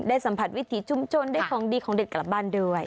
สัมผัสวิถีชุมชนได้ของดีของเด็ดกลับบ้านด้วย